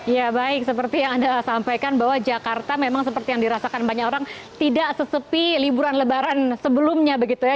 ya baik seperti yang anda sampaikan bahwa jakarta memang seperti yang dirasakan banyak orang tidak sesepi liburan lebaran sebelumnya begitu ya